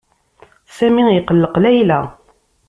Sami iqelleq Layla.